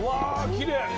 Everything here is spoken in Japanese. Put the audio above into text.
きれい！